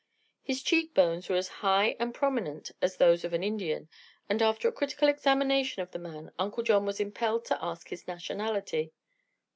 His cheek bones were as high and prominent as those of an Indian, and after a critical examination of the man Uncle John was impelled to ask his nationality.